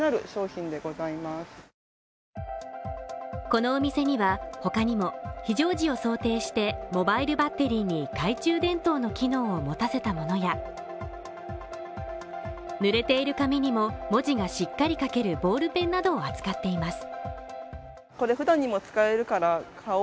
このお店にはほかにも非常時を想定してモバイルバッテリーに懐中電灯の機能を持たせたものや濡れている紙にも文字がしっかり書けるボールペンなどを扱っています